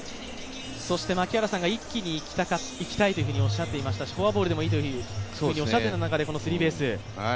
そして槙原さんが一気にいきたいというふうにおっしゃっていましたがフォアボールでもいいというふうにおっしゃっていた中でこのスリーベース。